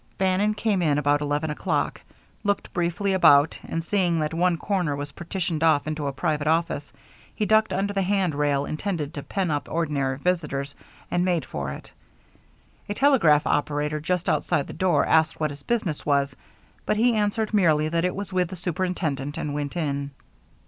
Bannon came in about eleven o'clock, looked briefly about, and seeing that one corner was partitioned off into a private office, he ducked under the hand rail intended to pen up ordinary visitors, and made for it. A telegraph operator just outside the door asked what his business was, but he answered merely that it was with the superintendent, and went in.